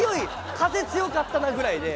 風強かったなぐらいで。